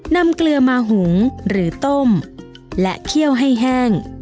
เกลือมาหุงหรือต้มและเคี่ยวให้แห้ง